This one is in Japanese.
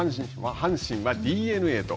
阪神はＤｅＮＡと。